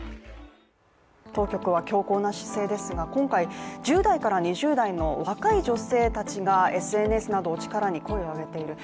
当局は強硬な姿勢ですが今回、１０代から２０代の若い女性たちがＳＮＳを力に声を上げている。